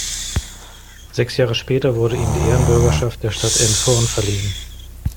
Sechs Jahre später wurde ihm die Ehrenbürgerschaft der Stadt Elmshorn verliehen.